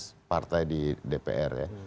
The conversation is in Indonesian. tugas partai di dpr ya